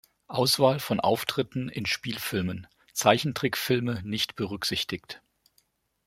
Auswahl von Auftritten in Spielfilmen; Zeichentrickfilme nicht berücksichtigt